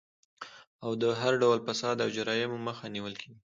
او د هر ډول فساد او جرايمو مخه نيول کيږي